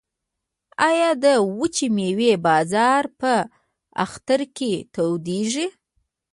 آیا د وچې میوې بازار په اختر کې تودیږي؟